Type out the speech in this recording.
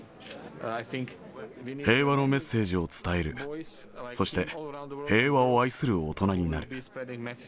平和のメッセージを伝える、そして平和を愛する大人になる。